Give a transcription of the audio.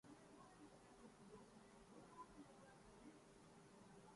لتا منگیشکر کی عمر اس وقت لگ بھگ نّوے سال ہے۔